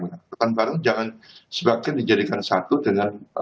angkutan barang jangan sebagian dijadikan satu dengan